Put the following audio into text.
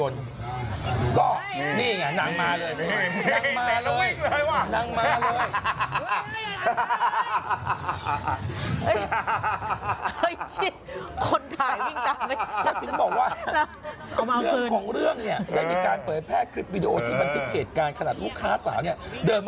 ในมากได้ปากเลย